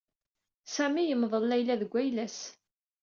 Sami yemḍel Layla deg wayla-s.